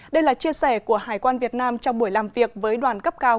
đây là chia sẻ của hải quan việt nam trong buổi làm việc với đoàn cấp cao